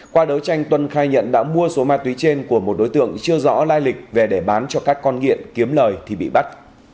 qua đấu tranh tuân khai nhận đã mua số ma túy trên của một đối tượng chưa rõ lai lịch về để bán cho các con nghiện kiếm lời thì bị bắt